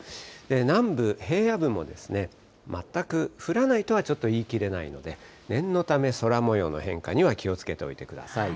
南部、平野部も全く降らないとはちょっと言い切れないので、念のため、空もようの変化には気をつけておいてください。